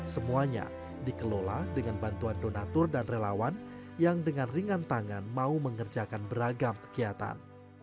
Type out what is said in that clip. semuanya dikelola dengan bantuan donatur dan relawan yang dengan ringan tangan mau mengerjakan beragam kegiatan